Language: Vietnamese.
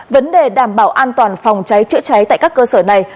vấn đề đảm bảo an toàn phòng cháy chữa cháy tại các cơ sở này